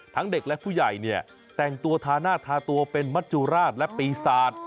เด็กและผู้ใหญ่เนี่ยแต่งตัวทาหน้าทาตัวเป็นมัจจุราชและปีศาจ